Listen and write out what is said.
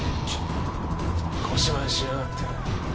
小芝居しやがって。